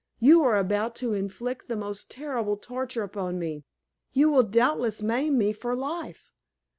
You are about to inflict the most terrible torture upon me; you will doubtless maim me for life.